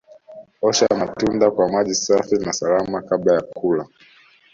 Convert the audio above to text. Osha matunda kwa maji safi na salama kabla ya kula